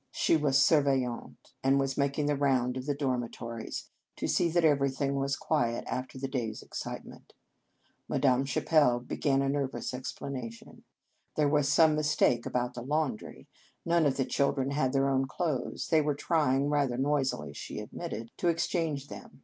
She was surveillante, and was making the round of the dormitories, to see that everything was quiet after the day s excitement. Madame Cha pelle began a nervous explanation. There was some mistake about the laundry. None of the children had their own clothes. They were trying rather noisily, she admitted to 146 Un Conge sans Cloche exchange them.